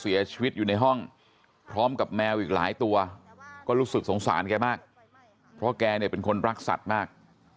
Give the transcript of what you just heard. เสียชีวิตอยู่ในห้องพร้อมกับแมวอีกหลายตัวก็รู้สึกสงสารแกมากเพราะแกเนี่ยเป็นคนรักสัตว์มาก